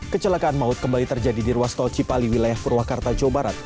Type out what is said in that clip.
kecelakaan maut kembali terjadi di ruas tol cipali wilayah purwakarta jawa barat